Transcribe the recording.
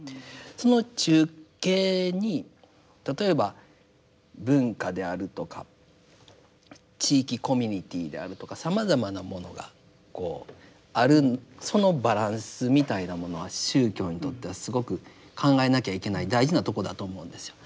その中景に例えば文化であるとか地域コミュニティーであるとかさまざまなものがこうあるそのバランスみたいなものは宗教にとってはすごく考えなきゃいけない大事なとこだと思うんですよ。